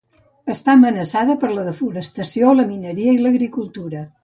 Està amenaçada per la desforestació, la mineria i l'agricultura.